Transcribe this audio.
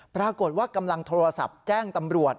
ปรากฏว่ากำลังโทรศัพท์แจ้งตำรวจ